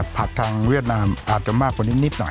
ทางเวียดนามอาจจะมากกว่านิดหน่อย